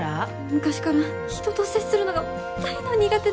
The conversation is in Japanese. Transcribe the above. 昔から人と接するのが大の苦手で。